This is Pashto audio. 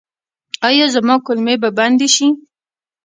ایا زما کولمې به بندې شي؟